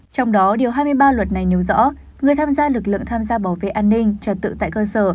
trong đó điều hai mươi ba luật này nêu rõ người tham gia lực lượng tham gia bảo vệ an ninh trật tự tại cơ sở